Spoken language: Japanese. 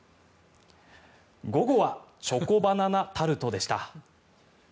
午後はチョコバナナタルトでした。